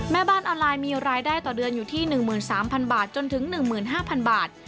แม่บ้านออนไลน์มีรายได้ต่อเดือนอยู่ที่๑๓๐๐บาทจนถึง๑๕๐๐บาท